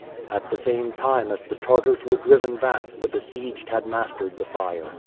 At the same time as the Tartars were driven back the besieged had mastered the fire.